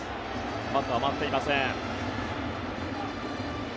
バットは回っていません。